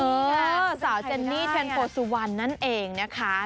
เออสาวเจนี่แทนโฟสูวันนั่นเองนะคะ